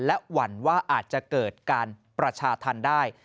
และหวั่นว่าอาจจะเกิดการประชาธรรมได้